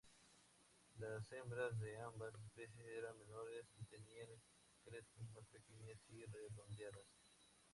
Las hembras de ambas especies era menores y tenían crestas más pequeñas y redondeadas.